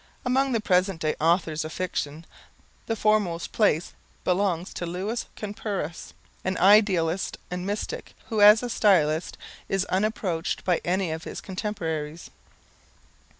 Among the present day authors of fiction, the foremost place belongs to Louis Conperus, an idealist and mystic, who as a stylist is unapproached by any of his contemporaries.